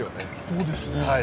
そうですね。